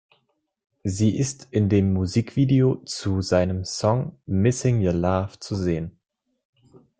Sie ist in dem Musikvideo zu seinem Song "Missing Your Love" zu sehen.